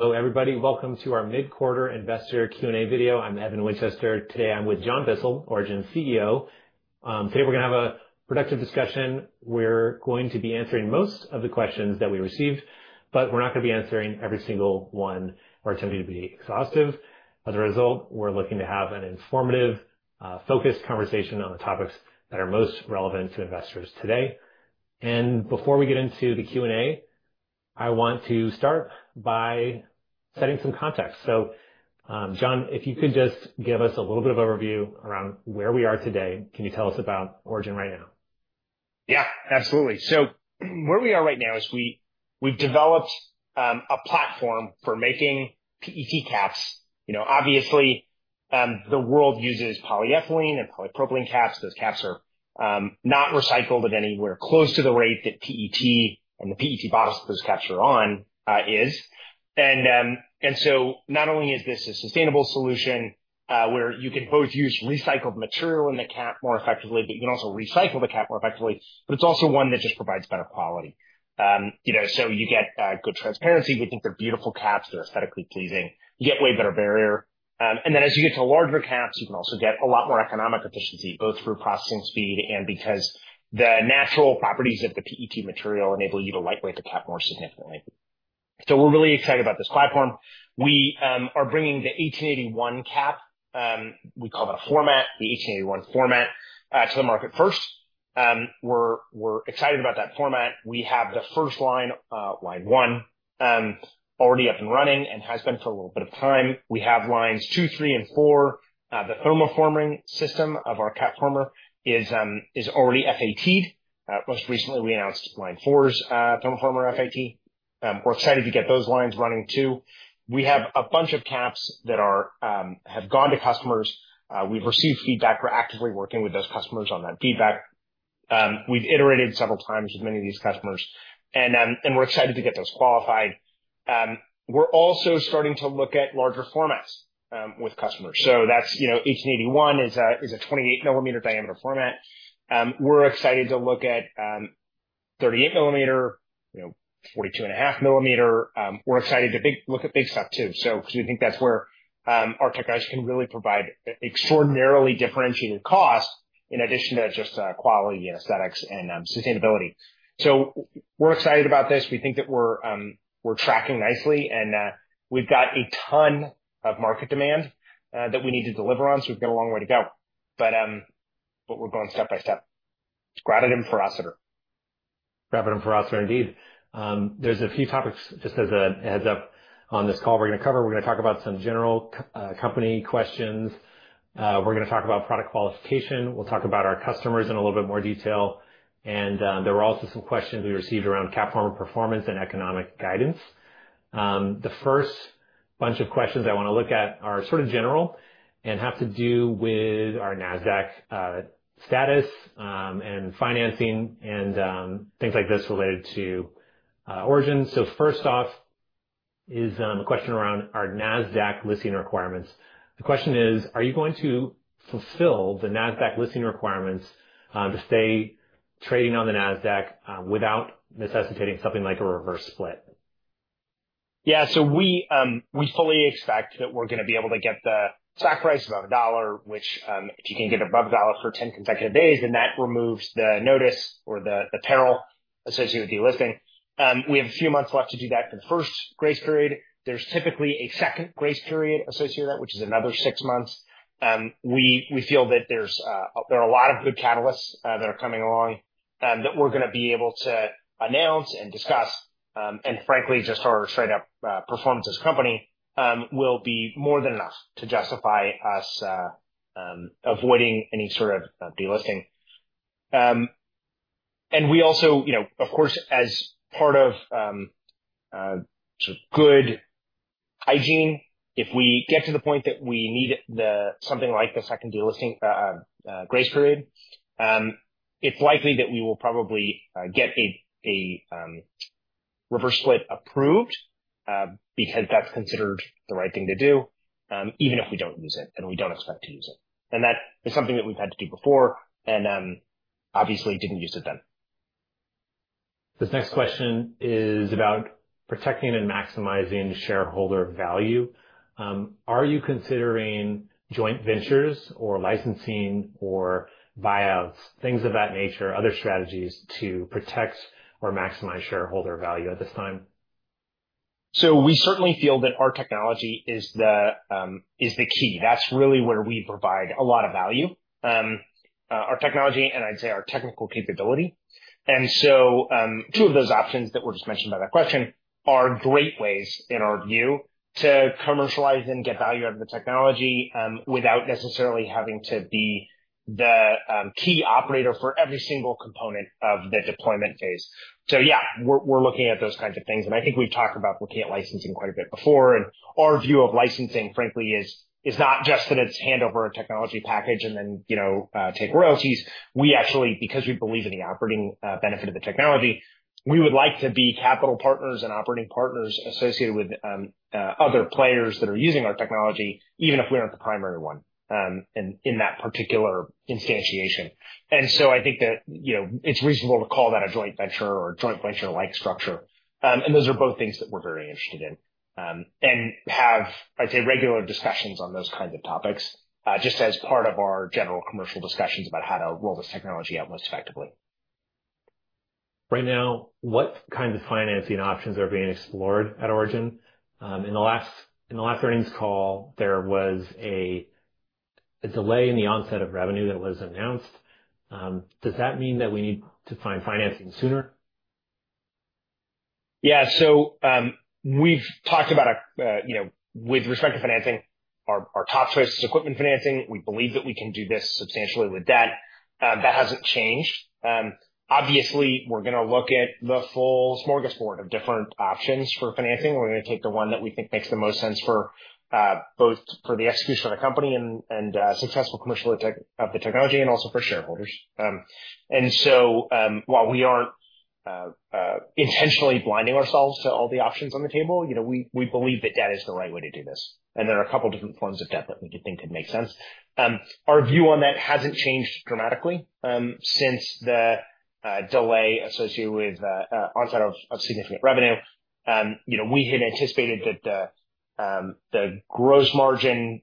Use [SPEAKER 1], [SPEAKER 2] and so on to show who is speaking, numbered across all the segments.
[SPEAKER 1] Hello, everybody. Welcome to our mid-quarter investor Q&A video. I'm Evan Winchester. Today I'm with John Bissell, Origin CEO. Today we're going to have a productive discussion. We're going to be answering most of the questions that we received, but we're not going to be answering every single one. We're attempting to be exhaustive. As a result, we're looking to have an informative, focused conversation on the topics that are most relevant to investors today. And before we get into the Q&A, I want to start by setting some context. So, John, if you could just give us a little bit of overview around where we are today, can you tell us about Origin right now?
[SPEAKER 2] Yeah, absolutely. So where we are right now is we've developed a platform for making PET caps. Obviously, the world uses polyethylene and polypropylene caps. Those caps are not recycled at anywhere close to the rate that PET and the PET bottles that those caps are on is. And so not only is this a sustainable solution where you can both use recycled material in the cap more effectively, but you can also recycle the cap more effectively, but it's also one that just provides better quality. So you get good transparency. We think they're beautiful caps. They're aesthetically pleasing. You get way better barrier. And then as you get to larger caps, you can also get a lot more economic efficiency, both through processing speed and because the natural properties of the PET material enable you to lightweight the cap more significantly. So we're really excited about this platform. We are bringing the 1881 cap. We call that a format, the 1881 format, to the market first. We're excited about that format. We have the first line, Line 1, already up and running and has been for a little bit of time. We have Lines 2, 3, and 4. The thermoforming system of our CapFormer is already FAT. Most recently, we announced Line 4's thermoformer FAT. We're excited to get those lines running too. We have a bunch of caps that have gone to customers. We've received feedback. We're actively working with those customers on that feedback. We've iterated several times with many of these customers, and we're excited to get those qualified. We're also starting to look at larger formats with customers. 1881 is a 28-millimeter diameter format. We're excited to look at 38-millimeter, 42.5-millimeter. We're excited to look at big stuff too, because we think that's where our technology can really provide extraordinarily differentiated cost in addition to just quality and aesthetics and sustainability. So we're excited about this. We think that we're tracking nicely, and we've got a ton of market demand that we need to deliver on, so we've got a long way to go. But we're going step by step. Gratitude and ferocity.
[SPEAKER 1] Gratitude and ferocity indeed. There's a few topics, just as a heads up on this call we're going to cover. We're going to talk about some general company questions. We're going to talk about product qualification. We'll talk about our customers in a little bit more detail, and there were also some questions we received around CapFormer performance and economic guidance. The first bunch of questions I want to look at are sort of general and have to do with our Nasdaq status and financing and things like this related to Origin. So first off is a question around our Nasdaq listing requirements. The question is, are you going to fulfill the Nasdaq listing requirements to stay trading on the Nasdaq without necessitating something like a reverse split?
[SPEAKER 2] Yeah. So we fully expect that we're going to be able to get the stock price above $1, which if you can get above $1 for 10 consecutive days, then that removes the notice or the peril associated with delisting. We have a few months left to do that for the first grace period. There's typically a second grace period associated with that, which is another six months. We feel that there are a lot of good catalysts that are coming along that we're going to be able to announce and discuss. And frankly, just our straight-up performance as a company will be more than enough to justify us avoiding any sort of delisting. We also, of course, as part of good hygiene, if we get to the point that we need something like the second delisting grace period, it's likely that we will probably get a reverse split approved because that's considered the right thing to do, even if we don't use it and we don't expect to use it. That is something that we've had to do before and obviously didn't use it then.
[SPEAKER 1] This next question is about protecting and maximizing shareholder value. Are you considering joint ventures or licensing or buyouts, things of that nature, other strategies to protect or maximize shareholder value at this time?
[SPEAKER 2] So we certainly feel that our technology is the key. That's really where we provide a lot of value, our technology, and I'd say our technical capability. And so two of those options that were just mentioned by that question are great ways, in our view, to commercialize and get value out of the technology without necessarily having to be the key operator for every single component of the deployment phase. So yeah, we're looking at those kinds of things. And I think we've talked about looking at licensing quite a bit before. And our view of licensing, frankly, is not just that it's hand over a technology package and then take royalties. We actually, because we believe in the operating benefit of the technology, we would like to be capital partners and operating partners associated with other players that are using our technology, even if we aren't the primary one in that particular instantiation. And so I think that it's reasonable to call that a joint venture or a joint venture-like structure. And those are both things that we're very interested in and have, I'd say, regular discussions on those kinds of topics just as part of our general commercial discussions about how to roll this technology out most effectively.
[SPEAKER 1] Right now, what kinds of financing options are being explored at Origin? In the last earnings call, there was a delay in the onset of revenue that was announced. Does that mean that we need to find financing sooner?
[SPEAKER 2] Yeah, so we've talked about, with respect to financing, our top choice is equipment financing. We believe that we can do this substantially with debt. That hasn't changed. Obviously, we're going to look at the full smorgasbord of different options for financing. We're going to take the one that we think makes the most sense for both the execution of the company and successful commercial of the technology and also for shareholders, and so while we aren't intentionally blinding ourselves to all the options on the table, we believe that debt is the right way to do this. And there are a couple of different forms of debt that we think could make sense. Our view on that hasn't changed dramatically since the delay associated with the onset of significant revenue. We had anticipated that the gross margin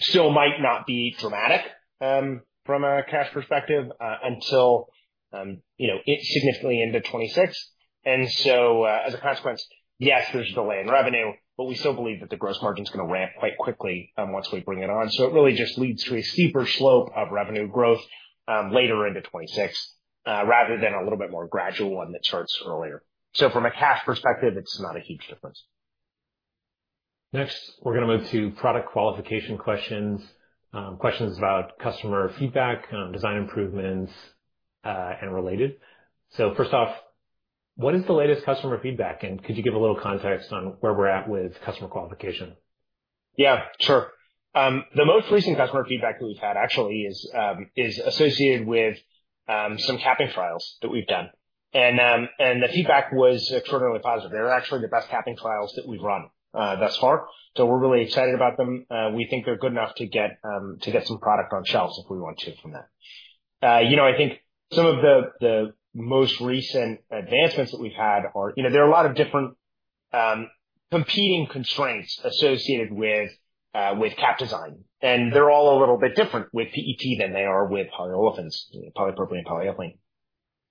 [SPEAKER 2] still might not be dramatic from a cash perspective until significantly into 2026. And so as a consequence, yes, there's a delay in revenue, but we still believe that the gross margin is going to ramp quite quickly once we bring it on. So it really just leads to a steeper slope of revenue growth later into 2026 rather than a little bit more gradual one that starts earlier. So from a cash perspective, it's not a huge difference.
[SPEAKER 1] Next, we're going to move to product qualification questions, questions about customer feedback, design improvements, and related. So first off, what is the latest customer feedback? And could you give a little context on where we're at with customer qualification?
[SPEAKER 2] Yeah, sure. The most recent customer feedback that we've had actually is associated with some capping trials that we've done. And the feedback was extraordinarily positive. They're actually the best capping trials that we've run thus far. So we're really excited about them. We think they're good enough to get some product on shelves if we want to from that. I think some of the most recent advancements that we've had are. There are a lot of different competing constraints associated with cap design. And they're all a little bit different with PET than they are with polyolefins, polypropylene, polyethylene.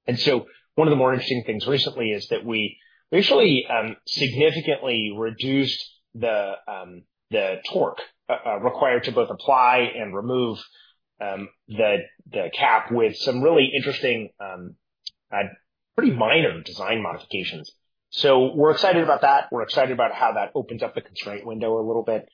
[SPEAKER 2] And so one of the more interesting things recently is that we actually significantly reduced the torque required to both apply and remove the cap with some really interesting, pretty minor design modifications. So we're excited about that. We're excited about how that opens up the constraint window a little bit.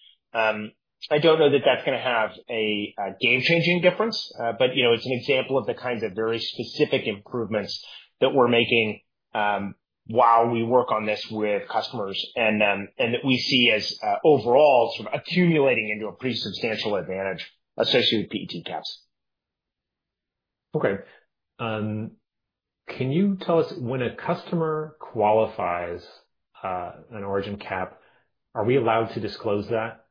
[SPEAKER 2] I don't know that that's going to have a game-changing difference, but it's an example of the kinds of very specific improvements that we're making while we work on this with customers and that we see as overall sort of accumulating into a pretty substantial advantage associated with PET caps.
[SPEAKER 1] Okay. Can you tell us when a customer qualifies an Origin cap? Are we allowed to disclose that?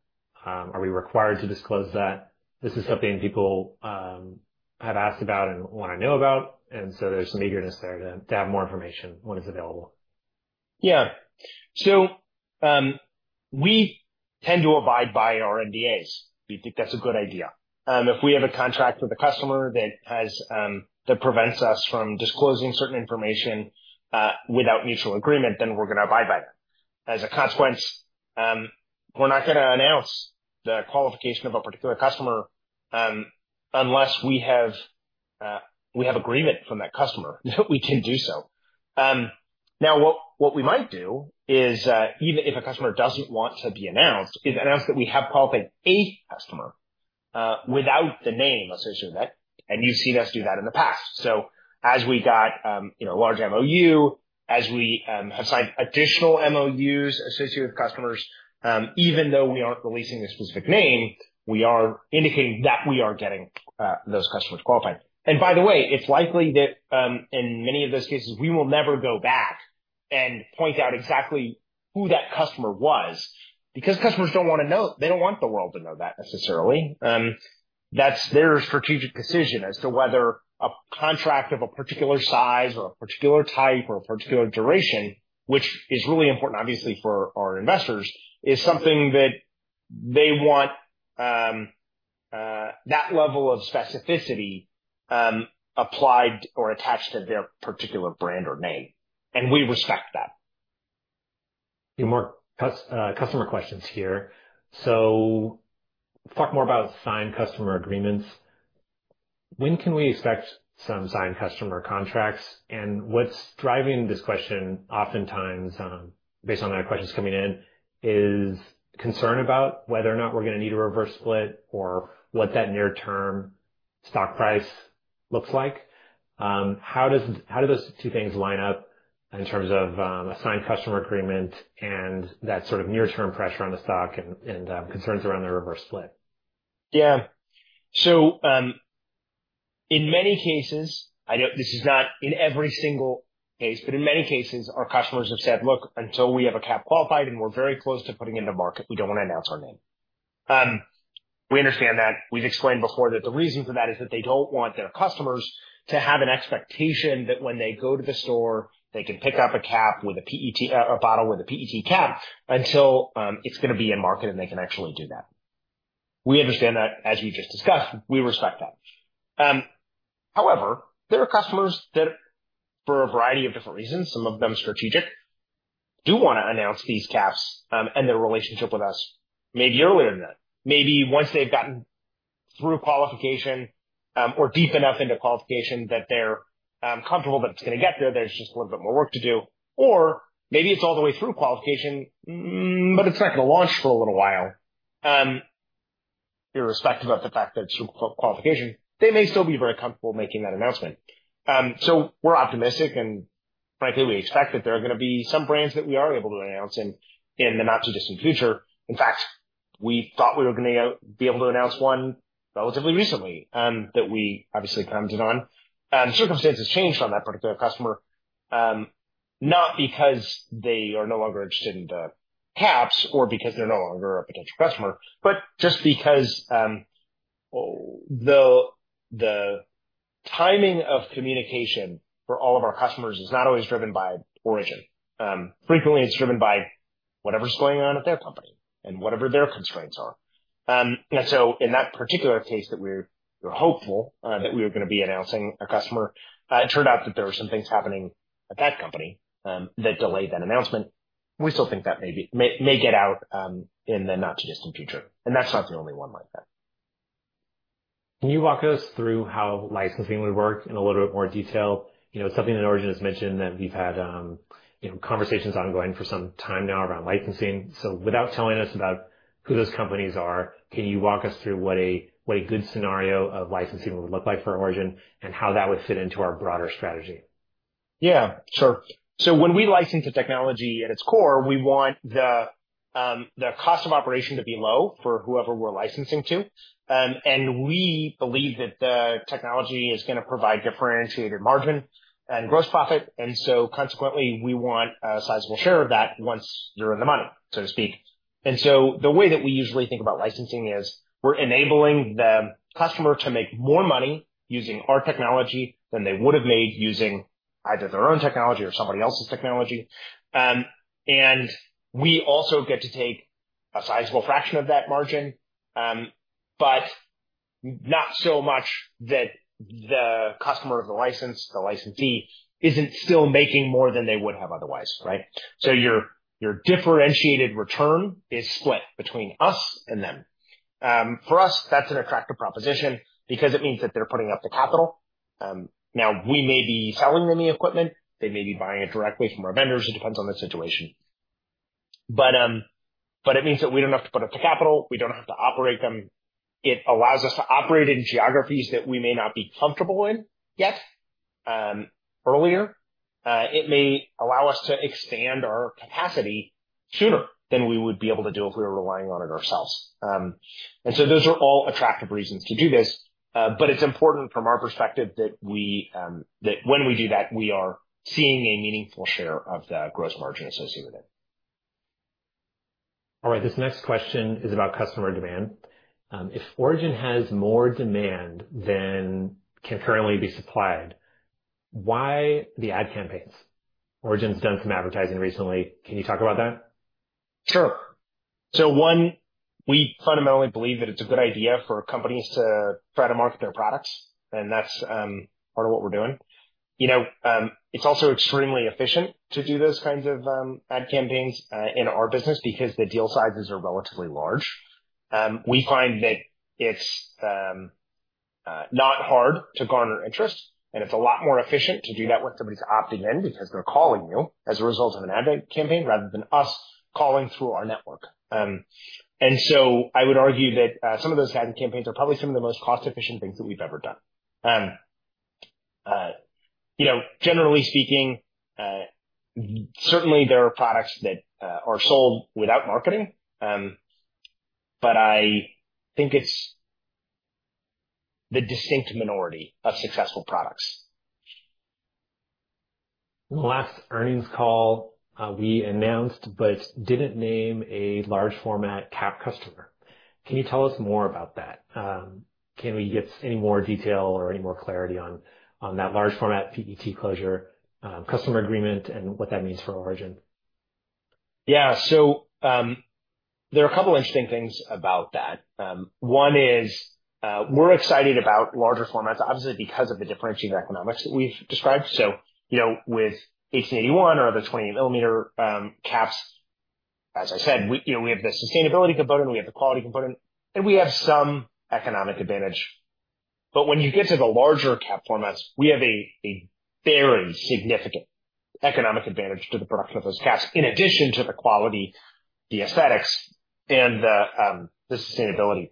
[SPEAKER 1] Are we required to disclose that? This is something people have asked about and want to know about. And so there's some eagerness there to have more information when it's available.
[SPEAKER 2] Yeah. So we tend to abide by our NDAs. We think that's a good idea. If we have a contract with a customer that prevents us from disclosing certain information without mutual agreement, then we're going to abide by that. As a consequence, we're not going to announce the qualification of a particular customer unless we have agreement from that customer that we can do so. Now, what we might do is, even if a customer doesn't want to be announced, is announce that we have qualified a customer without the name associated with that. And you've seen us do that in the past. So as we got a large MOU, as we have signed additional MOUs associated with customers, even though we aren't releasing a specific name, we are indicating that we are getting those customers qualified. And by the way, it's likely that in many of those cases, we will never go back and point out exactly who that customer was because customers don't want to know. They don't want the world to know that necessarily. That's their strategic decision as to whether a contract of a particular size or a particular type or a particular duration, which is really important, obviously, for our investors, is something that they want that level of specificity applied or attached to their particular brand or name. And we respect that.
[SPEAKER 1] A few more customer questions here. So we'll talk more about signed customer agreements. When can we expect some signed customer contracts? And what's driving this question, oftentimes, based on the questions coming in, is concern about whether or not we're going to need a reverse split or what that near-term stock price looks like. How do those two things line up in terms of a signed customer agreement and that sort of near-term pressure on the stock and concerns around the reverse split?
[SPEAKER 2] Yeah. In many cases, this is not in every single case, but in many cases, our customers have said, "Look, until we have a cap qualified and we're very close to putting it in the market, we don't want to announce our name." We understand that. We've explained before that the reason for that is that they don't want their customers to have an expectation that when they go to the store, they can pick up a cap with a PET bottle with a PET cap until it's going to be in market and they can actually do that. We understand that, as we just discussed. We respect that. However, there are customers that, for a variety of different reasons, some of them strategic, do want to announce these caps and their relationship with us maybe earlier than that. Maybe once they've gotten through qualification or deep enough into qualification that they're comfortable that it's going to get there, there's just a little bit more work to do. Or maybe it's all the way through qualification, but it's not going to launch for a little while. Irrespective of the fact that it's through qualification, they may still be very comfortable making that announcement. So we're optimistic, and frankly, we expect that there are going to be some brands that we are able to announce in the not-too-distant future. In fact, we thought we were going to be able to announce one relatively recently that we obviously commented on. Circumstances changed on that particular customer, not because they are no longer interested in the caps or because they're no longer a potential customer, but just because the timing of communication for all of our customers is not always driven by Origin. Frequently, it's driven by whatever's going on at their company and whatever their constraints are. In that particular case that we were hopeful that we were going to be announcing a customer, it turned out that there were some things happening at that company that delayed that announcement. We still think that may get out in the not-too-distant future. That's not the only one like that.
[SPEAKER 1] Can you walk us through how licensing would work in a little bit more detail? Something that Origin has mentioned that we've had conversations ongoing for some time now around licensing. So without telling us about who those companies are, can you walk us through what a good scenario of licensing would look like for Origin and how that would fit into our broader strategy?
[SPEAKER 2] Yeah, sure. So when we license a technology at its core, we want the cost of operation to be low for whoever we're licensing to. And we believe that the technology is going to provide differentiated margin and gross profit. And so consequently, we want a sizable share of that once you're in the money, so to speak. And so the way that we usually think about licensing is we're enabling the customer to make more money using our technology than they would have made using either their own technology or somebody else's technology. And we also get to take a sizable fraction of that margin, but not so much that the customer of the license, the licensee, isn't still making more than they would have otherwise, right? So your differentiated return is split between us and them. For us, that's an attractive proposition because it means that they're putting up the capital. Now, we may be selling them the equipment. They may be buying it directly from our vendors. It depends on the situation. But it means that we don't have to put up the capital. We don't have to operate them. It allows us to operate in geographies that we may not be comfortable in yet earlier. It may allow us to expand our capacity sooner than we would be able to do if we were relying on it ourselves. And so those are all attractive reasons to do this. But it's important from our perspective that when we do that, we are seeing a meaningful share of the gross margin associated with it.
[SPEAKER 1] All right. This next question is about customer demand. If Origin has more demand than can currently be supplied, why the ad campaigns? Origin's done some advertising recently. Can you talk about that?
[SPEAKER 2] Sure. So one, we fundamentally believe that it's a good idea for companies to try to market their products. And that's part of what we're doing. It's also extremely efficient to do those kinds of ad campaigns in our business because the deal sizes are relatively large. We find that it's not hard to garner interest. And it's a lot more efficient to do that when somebody's opting in because they're calling you as a result of an ad campaign rather than us calling through our network. And so I would argue that some of those ad campaigns are probably some of the most cost-efficient things that we've ever done. Generally speaking, certainly there are products that are sold without marketing, but I think it's the distinct minority of successful products.
[SPEAKER 1] In the last earnings call, we announced but didn't name a large-format cap customer. Can you tell us more about that? Can we get any more detail or any more clarity on that large-format PET closure customer agreement and what that means for Origin?
[SPEAKER 2] Yeah. So there are a couple of interesting things about that. One is we're excited about larger formats, obviously, because of the differentiated economics that we've described. So with 1881 or other 28-millimeter caps, as I said, we have the sustainability component. We have the quality component. And we have some economic advantage. But when you get to the larger cap formats, we have a very significant economic advantage to the production of those caps in addition to the quality, the aesthetics, and the sustainability.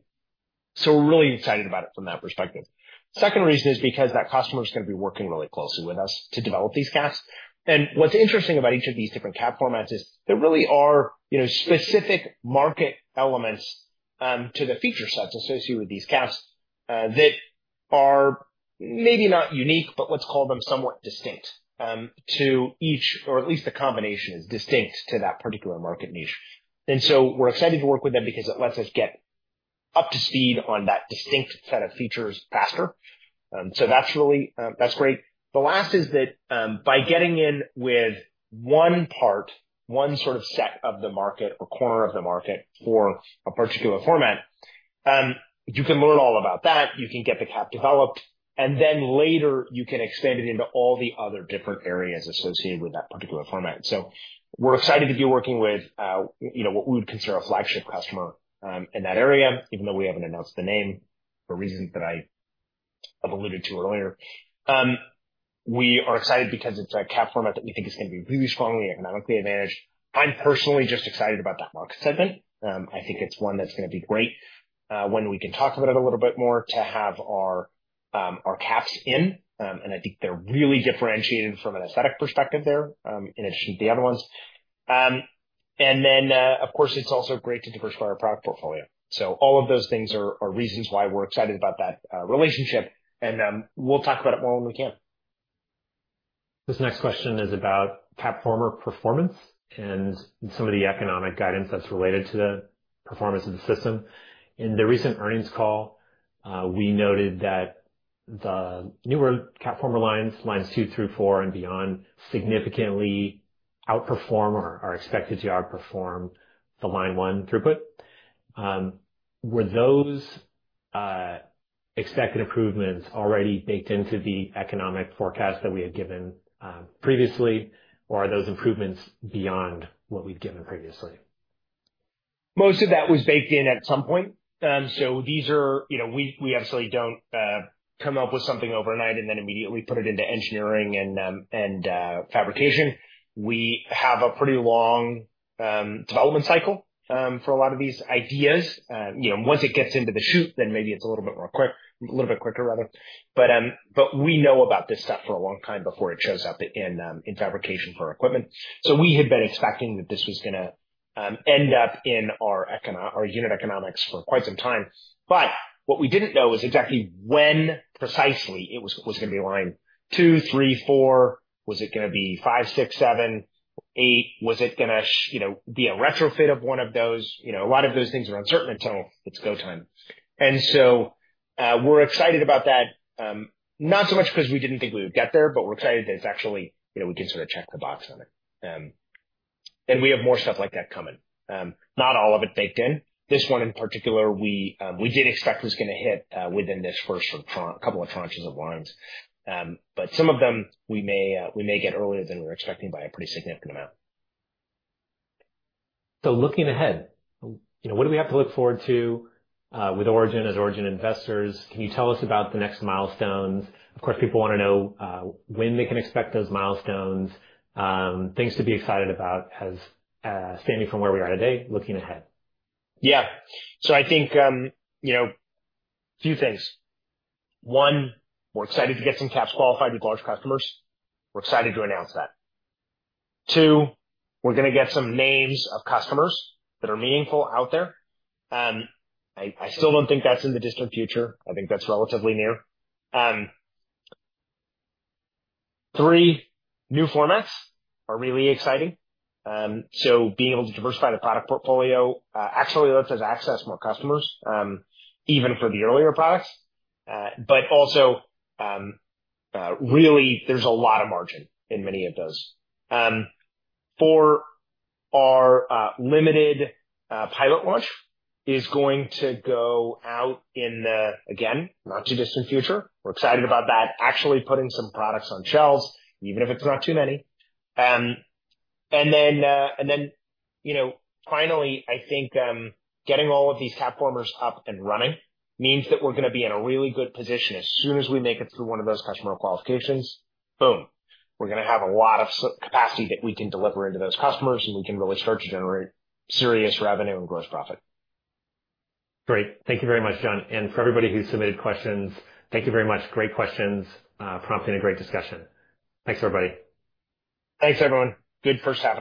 [SPEAKER 2] So we're really excited about it from that perspective. Second reason is because that customer is going to be working really closely with us to develop these caps. What's interesting about each of these different cap formats is there really are specific market elements to the feature sets associated with these caps that are maybe not unique, but let's call them somewhat distinct to each, or at least the combination is distinct to that particular market niche. We're excited to work with them because it lets us get up to speed on that distinct set of features faster. That's great. The last is that by getting in with one part, one sort of set of the market or corner of the market for a particular format, you can learn all about that. You can get the cap developed. Then later, you can expand it into all the other different areas associated with that particular format. We're excited to be working with what we would consider a flagship customer in that area, even though we haven't announced the name for reasons that I have alluded to earlier. We are excited because it's a cap format that we think is going to be really strongly economically advantaged. I'm personally just excited about that market segment. I think it's one that's going to be great when we can talk about it a little bit more to have our caps in. I think they're really differentiated from an aesthetic perspective there in addition to the other ones. Of course, it's also great to diversify our product portfolio. All of those things are reasons why we're excited about that relationship. We'll talk about it more when we can.
[SPEAKER 1] This next question is about CapFormer performance and some of the economic guidance that's related to the performance of the system. In the recent earnings call, we noted that the newer CapFormer lines, lines two through four and beyond, significantly outperform or are expected to outperform the Line 1 throughput. Were those expected improvements already baked into the economic forecast that we had given previously, or are those improvements beyond what we've given previously?
[SPEAKER 2] Most of that was baked in at some point. So we absolutely don't come up with something overnight and then immediately put it into engineering and fabrication. We have a pretty long development cycle for a lot of these ideas. Once it gets into the chute, then maybe it's a little bit quicker, rather. But we know about this stuff for a long time before it shows up in fabrication for equipment. So we had been expecting that this was going to end up in our unit economics for quite some time. But what we didn't know is exactly when precisely it was going to be Line 2, 3, 4. Was it going to be five, six, seven, eight? Was it going to be a retrofit of one of those? A lot of those things are uncertain until it's go time. And so we're excited about that. Not so much because we didn't think we would get there, but we're excited that it's actually we can sort of check the box on it. And we have more stuff like that coming. Not all of it baked in. This one in particular, we did expect was going to hit within this first couple of tranches of lines. But some of them, we may get earlier than we were expecting by a pretty significant amount.
[SPEAKER 1] So looking ahead, what do we have to look forward to with Origin as Origin investors? Can you tell us about the next milestones? Of course, people want to know when they can expect those milestones. Things to be excited about standing from where we are today, looking ahead.
[SPEAKER 2] Yeah, so I think a few things. One, we're excited to get some caps qualified with large customers. We're excited to announce that. Two, we're going to get some names of customers that are meaningful out there. I still don't think that's in the distant future. I think that's relatively near. Three, new formats are really exciting, so being able to diversify the product portfolio actually lets us access more customers, even for the earlier products. But also, really, there's a lot of margin in many of those. Four, our limited pilot launch is going to go out in the, again, not-too-distant future. We're excited about that, actually putting some products on shelves, even if it's not too many. And then finally, I think getting all of these CapFormers up and running means that we're going to be in a really good position as soon as we make it through one of those customer qualifications. Boom. We're going to have a lot of capacity that we can deliver into those customers, and we can really start to generate serious revenue and gross profit.
[SPEAKER 1] Great. Thank you very much, John. And for everybody who submitted questions, thank you very much. Great questions, prompting a great discussion. Thanks, everybody.
[SPEAKER 2] Thanks, everyone. Good first half.